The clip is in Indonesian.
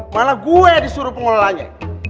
malah gue yang disuruh pengelolaannya